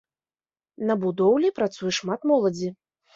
На будоўлі працуе шмат моладзі.